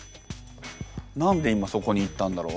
何で今そこに行ったんだろう？